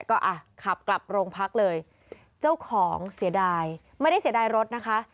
ก็อ่ะขับกลับโรงพักเลยเจ้าของเสียดายไม่ได้เสียดายรถนะคะ